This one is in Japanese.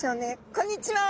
こんにちは。